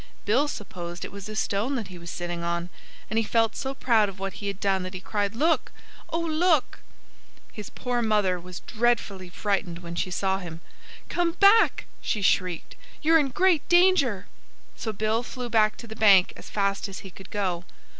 Bill supposed it was a stone that he was sitting on. And he felt so proud of what he had done that he cried, "Look! Oh, look!" His poor mother was dreadfully frightened when she saw him. "Come back!" she shrieked. "You're in great danger!" So Bill flew back to the bank as fast as he could go.